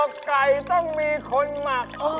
ไก่ต้องมีคนหมัก